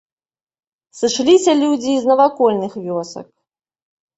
Сышліся людзі і з навакольных вёсак.